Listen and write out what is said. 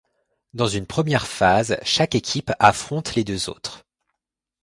Dans une première phase, chaque équipe affronte les deux autres.